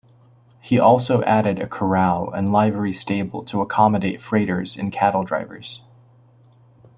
He also added a corral and livery stable to accommodate freighters and cattle drivers.